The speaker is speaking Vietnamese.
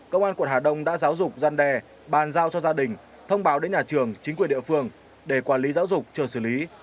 công an quận hà đông đã giáo dục gian đe bàn giao cho gia đình thông báo đến nhà trường chính quyền địa phương để quản lý giáo dục chờ xử lý